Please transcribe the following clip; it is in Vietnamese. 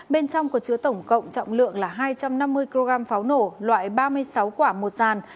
bên trong có chứa tổng cộng trọng lượng là hai trăm năm mươi kg pháo nổ loại ba mươi sáu quả một dàn